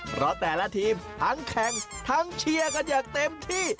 เพราะแต่ละทีมทั้งแข่งทั้งเชียร์กันอย่างเต็มที่